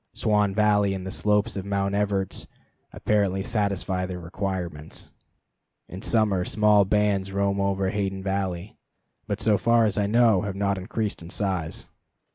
Swan Valley and the slopes of Mount Everts apparently satisfy their requirements. In summer small bands roam over Hayden Valley, but so far as I know have not increased in size.